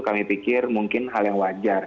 kami pikir mungkin hal yang wajar